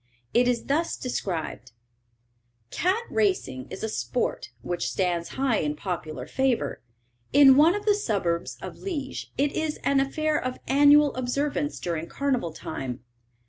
It is thus described: "Cat racing is a sport which stands high in popular favour. In one of the suburbs of Liège it is an affair of annual observance during carnival time.